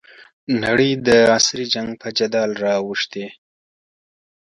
نړۍ د عصري جنګ په جدل رااوښتې.